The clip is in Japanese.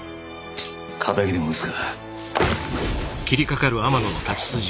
敵でも討つか？